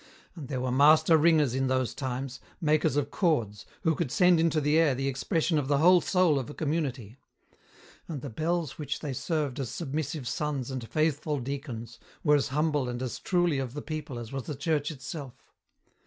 And there were master ringers in those times, makers of chords, who could send into the air the expression of the whole soul of a community. And the bells which they served as submissive sons and faithful deacons were as humble and as truly of the people as was the Church itself.